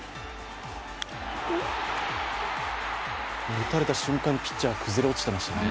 打たれた瞬間、ピッチャー崩れ落ちていましたね。